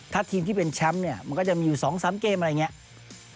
ถ้าทีมที่เป็นแชมป์เนี่ยมันก็จะมีอยู่๒๓เกมอะไรอย่างนี้